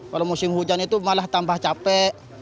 kalau musim hujan itu malah tambah capek